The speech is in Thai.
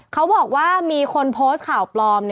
เขาบอกว่ามีคนโพสต์ข่าวปลอม